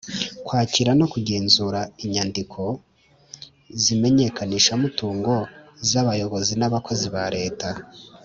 kwakira no kugenzura inyandiko z’imenyekanishamutungo z’abayobozi n’abakozi ba leta